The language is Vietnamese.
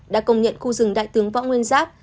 đã công nhận khu rừng đại tướng võ nguyên giáp